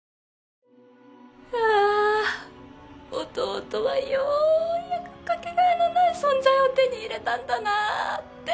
あ弟はようやくかけがえのない存在を手に入れたんだなって。